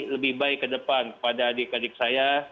lebih baik ke depan kepada adik adik saya